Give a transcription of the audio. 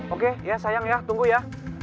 oke ya sayang ya tunggu ya